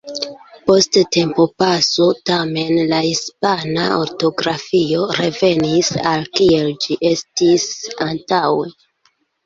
Post tempopaso, tamen, la hispana ortografio revenis al kiel ĝi estis antaŭe.